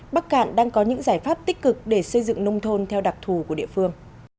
bắc cạn đang có những giải pháp tích cực để xây dựng nông thôn theo đặc thù của địa phương